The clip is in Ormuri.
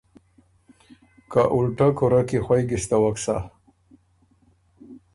که اُلټۀ کُورۀ کی خوئ ګِستوک سۀ۔